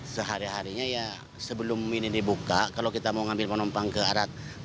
sehari harinya ya sebelum ini dibuka kalau kita mau ngambil penumpang ke arah